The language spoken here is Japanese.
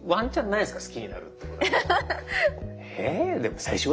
好きになるってこと。